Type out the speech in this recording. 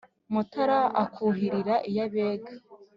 mutára akuhira iy abega